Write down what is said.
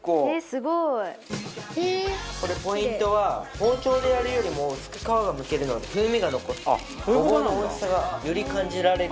すごい！これポイントは包丁でやるよりも薄く皮がむけるので風味が残ってごぼうのおいしさがより感じられるそう。